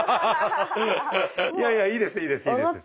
いやいやいいですいいですいいです。